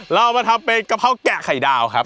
เอามาทำเป็นกะเพราแกะไข่ดาวครับ